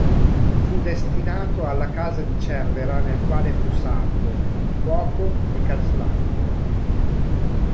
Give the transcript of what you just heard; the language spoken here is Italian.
Fu destinato alla casa di Cervera nel quale fu sarto, cuoco e calzolaio.